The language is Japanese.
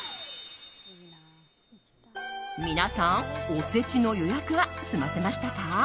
皆さんおせちの予約は済ませましたか？